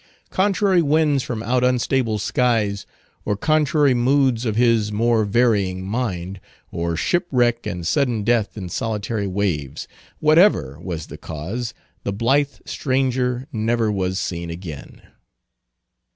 Contrary winds from out unstable skies, or contrary moods of his more varying mind, or shipwreck and sudden death in solitary waves; whatever was the cause, the blithe stranger never was seen again.